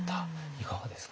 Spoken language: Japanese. いかがですか？